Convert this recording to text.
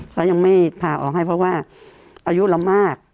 เขายังไม่พาออกให้เพราะว่าอายุเรามาก